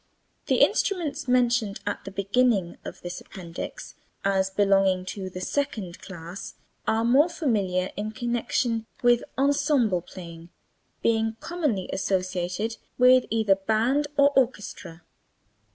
The instruments mentioned at the beginning of this appendix as belonging to the second class are more familiar in connection with ensemble playing, being commonly associated with either band or orchestra.